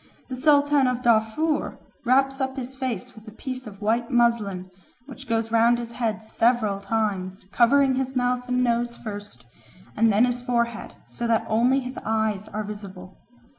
The Sultan of Darfur wraps up his face with a piece of white muslin, which goes round his head several times, covering his mouth and nose first, and then his forehead, so that only his eyes are visible.